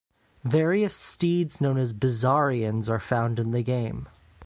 Various steeds known as bizarrians are found in the game.